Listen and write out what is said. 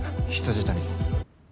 未谷さん。